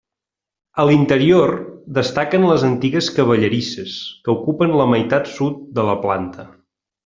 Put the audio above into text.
A l'interior, destaquen les antigues cavallerisses, que ocupen la meitat sud de la planta.